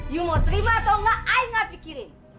yu mau terima atau enggak ayah gak pikirin